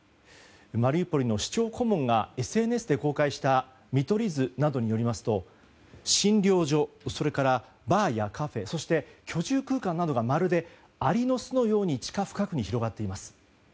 マリウポリの市長顧問がＳＮＳで公開した見取り図などによりますと診療所、それからバーやカフェそして居住空間などがまるでアリの巣のように地下深くに広がっています。